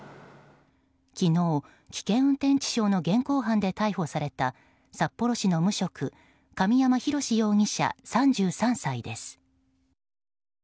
昨日、危険運転致傷の現行犯で逮捕された札幌市の無職神山大容疑者、３３歳です。